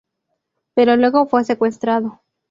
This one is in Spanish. Pero luego fue secuestrado.